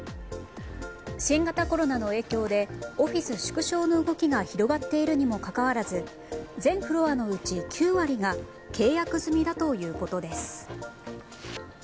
新型コロナの影響でオフィス縮小の動きが広がっているにもかかわらず全フロアのうち９割が契約済みだということです。